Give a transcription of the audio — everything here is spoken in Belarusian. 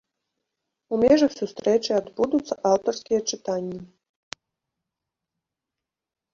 У межах сустрэчы адбудуцца аўтарскія чытанні.